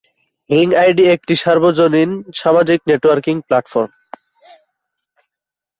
Ring ID একটি সর্বজনীন সামাজিক নেটওয়ার্কিং প্ল্যাটফর্ম।